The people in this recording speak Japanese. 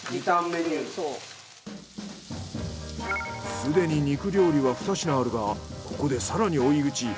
すでに肉料理はふた品あるがここで更に追い討ち。